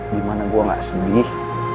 dimana gue gak sedih